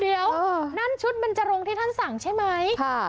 เดี๋ยวนั่นชุดเบนจรงที่ท่านสั่งใช่ไหม